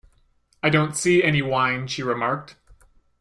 ‘I don’t see any wine,’ she remarked.